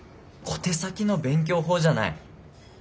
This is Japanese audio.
小手先の勉強法じゃない。